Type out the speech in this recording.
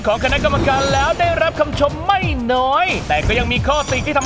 คณะกำการได้ลงคะแนนไปที่เรียบร้อย